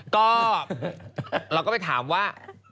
ก็เราก็ไปถามว่า